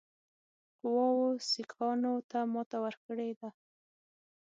قواوو سیکهانو ته ماته ورکړې ده.